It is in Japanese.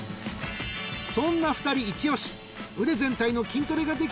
［そんな２人一押し］